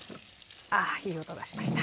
あいい音がしました。